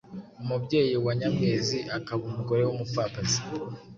Umubyeyi (nyina) wa Nyamwezi, akaba umugore w’umupfakazi